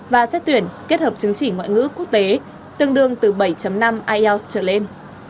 và xét tuyển kết hợp chứng chỉ ngoại ngữ quốc tế tương đương từ bảy năm ielts trở lên